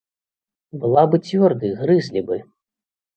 Была бы цвёрдай, грызлі бы!